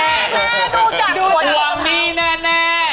ดูจากตัวนี้แน่